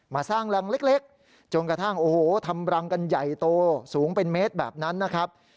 สร้างรังเล็กจนกระทั่งโอ้โหทำรังกันใหญ่โตสูงเป็นเมตรแบบนั้นนะครับ